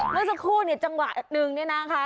เมื่อสักครู่เนี่ยจังหวะหนึ่งเนี่ยนะคะ